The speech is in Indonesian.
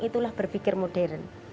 itulah berpikir modern